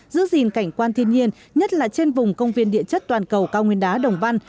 giữ gìn cảnh quan thiên nhiên nhất là trên vùng công viên địa chất toàn cầu cao nguyên đá đồng văn